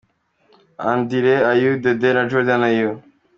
Andire Ayew Dede na Jordan Ayew.